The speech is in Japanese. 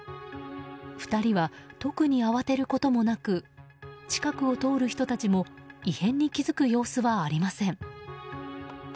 ２人は、特に慌てることもなく近くを通る人たちも異変に気付く様子はありません。